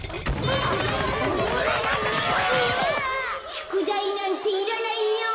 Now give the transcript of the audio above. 「しゅくだいなんていらないよ！」。